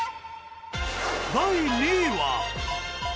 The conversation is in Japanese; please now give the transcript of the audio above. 第２位は。